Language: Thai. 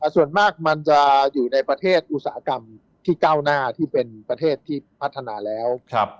ส่วนมากมันจะอยู่ในประเทศอุตสาหกรรมที่ก้าวหน้าที่เป็นประเทศที่พัฒนาแล้ว